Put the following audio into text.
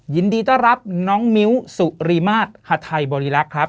ยินดีต้อนรับน้องมิ้วสุริมาตรฮาไทยบริรักษ์ครับ